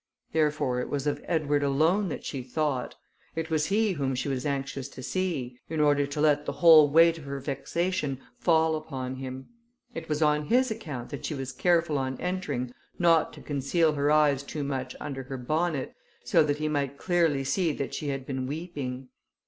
Therefore it was of Edward alone that she thought. It was he whom she was anxious to see, in order to let the whole weight of her vexation fall upon him; it was on his account that she was careful on entering not to conceal her eyes too much under her bonnet, so that he might clearly see that she had been weeping.